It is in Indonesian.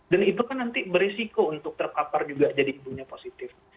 itu kan nanti berisiko untuk terpapar juga jadi ibunya positif